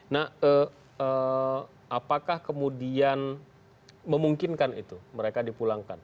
nah apakah kemudian memungkinkan itu mereka dipulangkan